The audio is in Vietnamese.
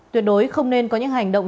tuyệt đối không nên có những hành động